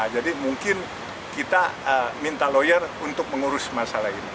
jadi mungkin kita minta lawyer untuk mengurus masalah ini